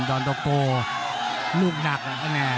ดอนโตโกลูกหนักเลยอ่ะแน่